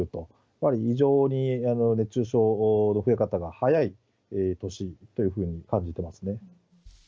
やはり異常に熱中症の増え方が早い年というふうに感じてますね。